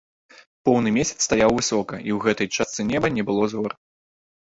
Поўны месяц стаяў высока, і ў гэтай частцы неба не было зор.